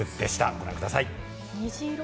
ご覧ください。